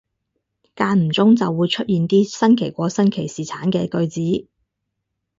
間唔中就會出現啲新奇過新奇士橙嘅句子